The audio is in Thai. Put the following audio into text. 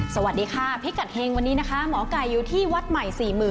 สวัสดีค่ะพิกัดเฮงวันนี้นะคะหมอไก่อยู่ที่วัดใหม่๔๐๐๐